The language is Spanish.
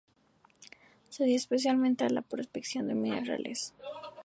Se dio especial importancia a la prospección de minerales.